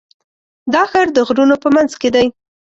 دا ښار د غرونو په منځ کې دی.